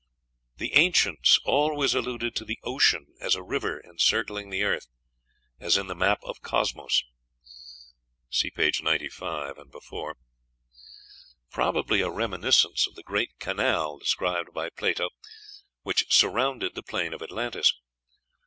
The ancients always alluded to the ocean as a river encircling the earth, as in the map of Cosmos (see page 95 ante); probably a reminiscence of the great canal described by Plato which surrounded the plain of Atlantis.